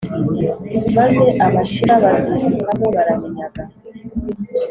maze Abasheba babyisukamo barabinyaga